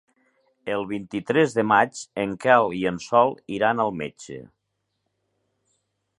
El vint-i-tres de maig en Quel i en Sol iran al metge.